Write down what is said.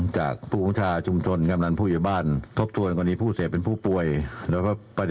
จากภาษาคลอธิปัญะ